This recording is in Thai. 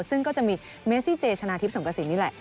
ซึ่งก็จะมีเมซี่เจชนะทิพย์สงกระสินนี่แหละ